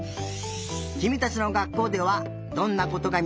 きみたちの学校ではどんなことがみつかるかな？